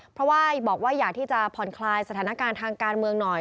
เพราะว่าบอกว่าอยากที่จะผ่อนคลายสถานการณ์ทางการเมืองหน่อย